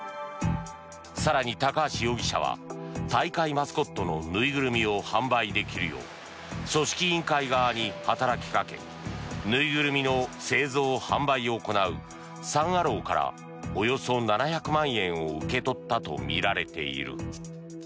更に、高橋容疑者は大会マスコットの縫いぐるみを販売できるよう組織委員会側に働きかけ縫いぐるみの製造・販売を行うサン・アローからおよそ７００万円を受け取ったとみられている。